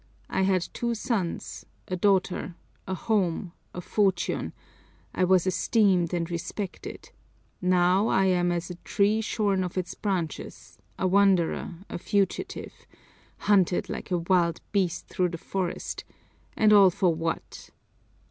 I had two sons, a daughter, a home, a fortune, I was esteemed and respected; now I am as a tree shorn of its branches, a wanderer, a fugitive, hunted like a wild beast through the forest, and all for what?